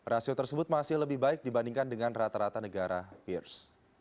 rasio tersebut masih lebih baik dibandingkan dengan rata rata negara peers